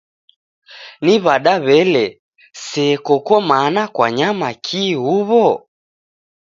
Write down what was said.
Ni wada wele, se koko mana kwanyama kii huwo?